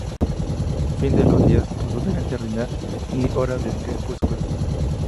Fin de los Días, Pozo de la Eternidad y Hora del crepúsculo.